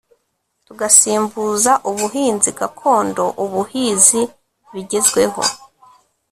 tugasimbuza ubuhinzi gakondo ubuhizi bigezweho